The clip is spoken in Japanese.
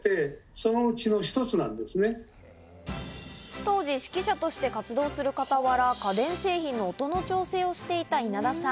当時、指揮者として活動する傍ら、家電製品の音の調整をしていた稲田さん。